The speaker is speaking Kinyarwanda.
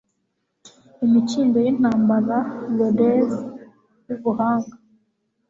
imikindo yintambara, laurels yubuhanga